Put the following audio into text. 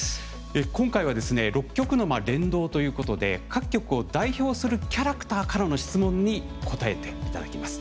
今回はですね６局の連動ということで各局を代表するキャラクターからの質問に答えていただきます。